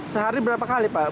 sehari berapa kali pak